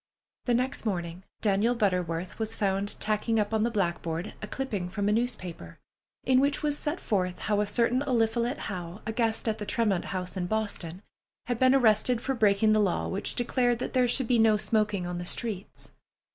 The next morning Daniel Butterworth was found tacking up on the blackboard a clipping from a newspaper, in which was set forth how a certain Eliphalet Howe, a guest at the Tremont House in Boston, had been arrested for breaking the law which declared that there should be no smoking on the streets.